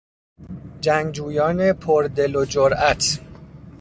جنگجویان پر دل و جرات